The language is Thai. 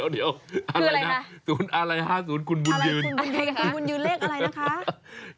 เดี๋ยวอะไรนะสูญภาษาอะไร๕๐คุณบุญยืนคุณบุญยืนเลขอะไรนะคะ